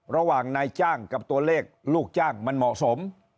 ระหว่างนายจ้างกับตัวเลขลูกจ้างมันเหมาะสม